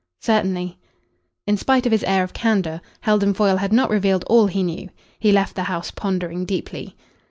"Certainly." In spite of his air of candour, Heldon Foyle had not revealed all he knew. He left the house pondering deeply.